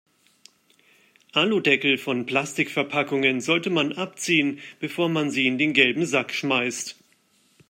Aludeckel von Plastikverpackungen sollte man abziehen, bevor man sie in den gelben Sack schmeißt.